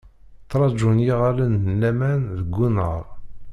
Ttraǧun yiɣallen n laman deg unnar.